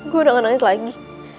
gue udah gak nangis lagi